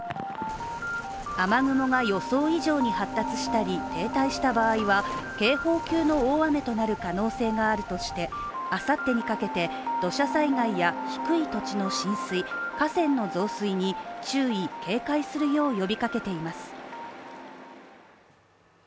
雨雲が予想以上に発達したり停滞した場合は警報級の大雨となる可能性があるとしてあさってにかけて土砂災害や低い土地の浸水河川の増水に注意・警戒するよう呼びかけています。